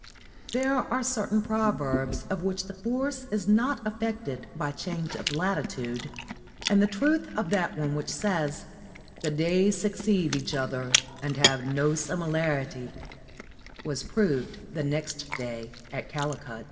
There are certain proverbs of which the force is not affected by change of latitude, and the truth of that one which says, "The days succeed each other and have no similarity," was proved the next day at Calicut.